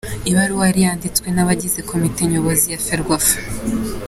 Ibaruwa yari yanditswe n’abagize Komite Nyobozi ya Ferwafa.